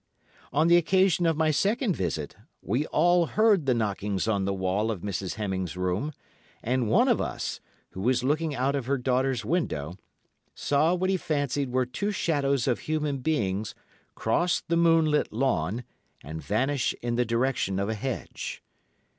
On the occasion of my second visit, we all heard the knockings on the wall of Mrs. Hemming's room, and one of us, who was looking out of her daughter's window, saw what he fancied were two shadows of human beings cross the moonlit lawn and vanish in the direction of a hedge.